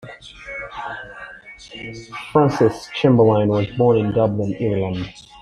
Frances Chamberlaine was born in Dublin, Ireland.